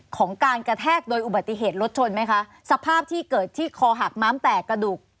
ของการกระแทกโดยอุบัติเหตุรถชนไหมคะสภาพที่เกิดที่คอหักม้ามแตกกระดูก